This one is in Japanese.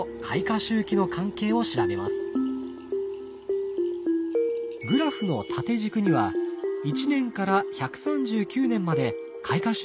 グラフの縦軸には１年から１３９年まで開花周期の違う竹が並んでいます。